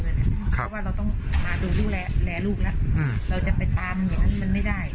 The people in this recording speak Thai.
ครับเพราะว่าเราต้องมาดูแลแลลูกล่ะอืมเราจะไปตามอย่างนั้นมันไม่ได้